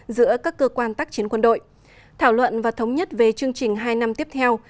giữa các cơ quan tác chiến quân đội thảo luận và thống nhất về chương trình hai năm tiếp theo